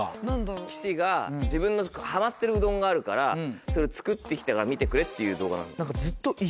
岸が自分のハマってるうどんがあるからそれを作って来たから見てくれっていう動画。